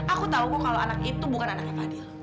aku tahuku kalau anak itu bukan anaknya fadil